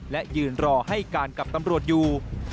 และยืนรอให้การกับตำรวจอยู่